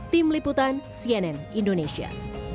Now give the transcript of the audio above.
tim liputan cnn indonesia